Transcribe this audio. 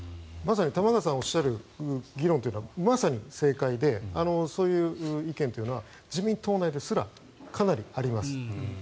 玉川さんがおっしゃる議論はまさに正解でそういう意見というのは自民党内ですらかなりあります。